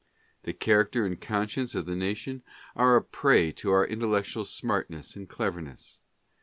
The character and conscience of the nation are a prey to our intel lectual smartness and cleverness.